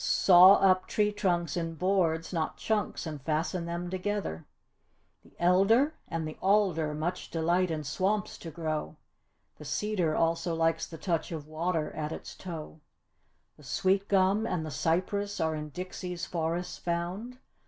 Saw up tree trunks in boards, not chunks, and fasten them together. The elder and the alder much delight in swamps to grow. The cedar also likes the touch of water at its toe. The sweet gum and the cypress are in Dixie's forests found.